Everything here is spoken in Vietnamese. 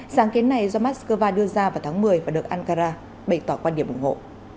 sáng kiến này do moscow đưa ra vào tháng một mươi và được ankara bày tỏ quan điểm ủng hộ